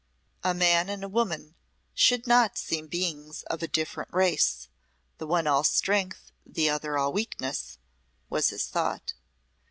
"A man and woman should not seem beings of a different race the one all strength, the other all weakness," was his thought.